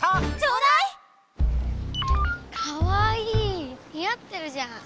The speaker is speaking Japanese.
かわいい。に合ってるじゃん。